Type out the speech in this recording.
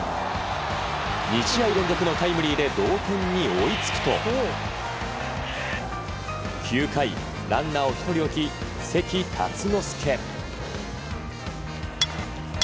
２試合連続のタイムリーで同点に追いつくと９回、ランナーを１人置き関辰之助。